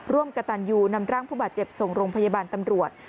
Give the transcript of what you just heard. ร่วมกระตันยูนำร่างผู้บาดเจ็บส่งโรงพยาบาลตำรวจ